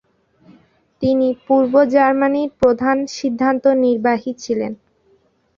তিনি পূর্ব জার্মানির প্রধান সিদ্ধান্ত নির্বাহী ছিলেন।